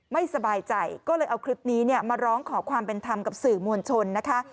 ไม่สบายใจก็เลยเอาคลิปนี้มาร้องขอความเป็นธรรมกับสื่อมวลชนนะคะ